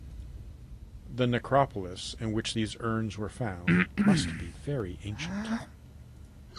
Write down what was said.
The necropolis in which these urns were found must be very ancient.